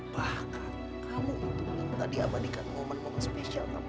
bahkan kamu untuk minta diabadikan momen momen spesial kamu